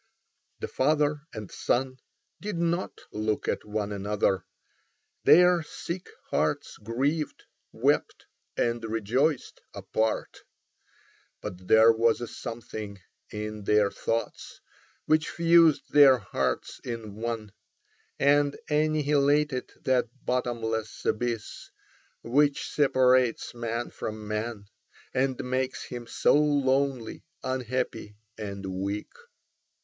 The father and son did not look at one another: their sick hearts grieved, wept, and rejoiced apart. But there was a something in their thoughts which fused their hearts in one, and annihilated that bottomless abyss which separates man from man and makes him so lonely, unhappy, and weak.